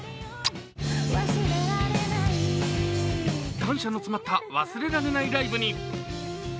感謝の詰まった忘れられないライブに。